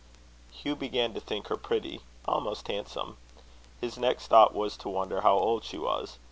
Hugh began to think her pretty, almost handsome. His next thought was to wonder how old she was.